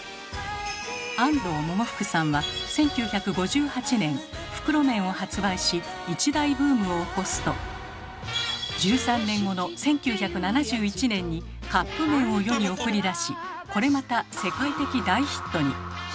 安藤百福さんは１９５８年袋麺を発売し一大ブームを起こすと１３年後の１９７１年にカップ麺を世に送り出しこれまた世界的大ヒットに。